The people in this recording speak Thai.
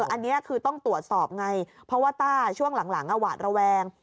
อันนี้คือต้องตรวจสอบไงเพราะว่าต้าช่วงหลังหวาดระแวง